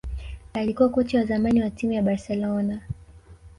alikuwa kocha wa zamani wa timu ya Barcelona